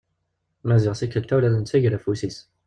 Maziɣ tikkelt-a ula d netta iger afus-is.